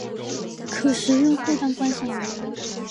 可食用或当观赏鱼。